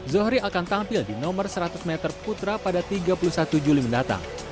zohri akan tampil di nomor seratus meter putra pada tiga puluh satu juli mendatang